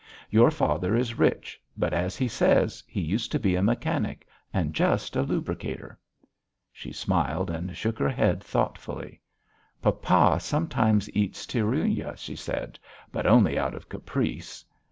Your father is rich, but, as he says, he used to be a mechanic, and just a lubricator." She smiled and shook her head thoughtfully. "Papa sometimes eats tiurya," she said, "but only out of caprice."